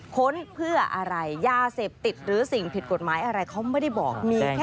ค้นเพื่ออะไรยาเสพติดหรือสิ่งผิดกฎหมายอะไรเขาไม่ได้บอกมีแค่